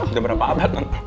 udah berapa abad tante